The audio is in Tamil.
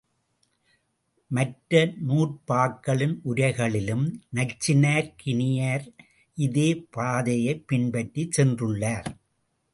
மற்ற நூற்பாக்களின் உரைகளிலும் நச்சினார்க்கினியர் இதே பாதையைப் பின்பற்றிச் சென்றுள்ளார்.